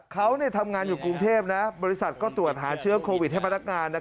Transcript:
เขาทำงานอยู่กรุงเทพบริษัทก็ตรวจหาเชื้อโควิดให้พนักงาน